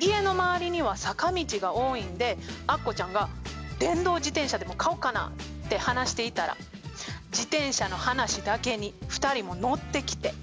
家の周りには坂道が多いんでアッコちゃんが「電動自転車でも買おっかな」って話していたら自転車の話だけに２人も乗ってきて。